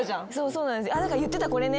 そうなんです。